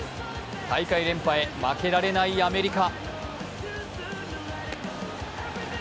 大会連覇へ負けられないアメリカ。